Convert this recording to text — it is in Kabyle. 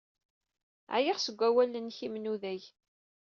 Ɛyiɣ seg wawalen-nnek inmudag.